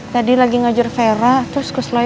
tadi lagi ngajar vera terus kuslo